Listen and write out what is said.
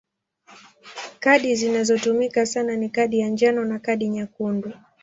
Kadi zinazotumika sana ni kadi ya njano na kadi nyekundu.